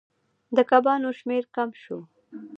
د کبانو شمیر کم شو.